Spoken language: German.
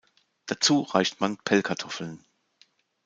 Dazu reicht man Pellkartoffeln.